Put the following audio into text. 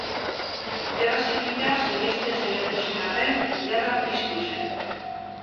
Gerra zibila saihesten saiatu zen arren, gerra piztu zen.